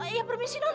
ya permisi non